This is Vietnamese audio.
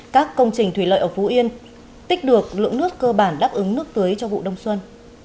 các công trình thủy lợi ở phú yên tích được lượng nước cơ bản đáp ứng nước tưới cho vụ đông xuân